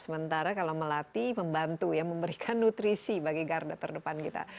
sementara kalau melati membantu ya memberikan nutrisi bagi garda terdepan kita